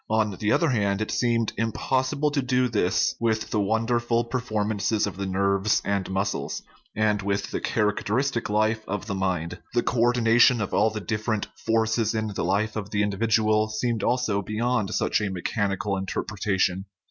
On the other hand, it seemed im possible to do this with the wonderful performances of the nerves and muscles, and with the characteristic life of the mind ; the co ordination of all the different forces in the life of the individual seemed also beyond such a mechanical interpretation.